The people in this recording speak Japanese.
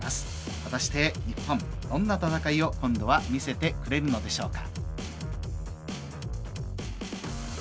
果たして日本どんな戦いを今度は見せてくれるのでしょうか。